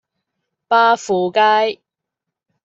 巴富街